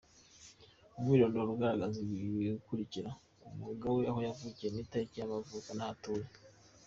Umwirondoro ugaragaza ibikurikira: Umwuga we, aho yavukiye n’itariki y’amavuko, aho atuye;.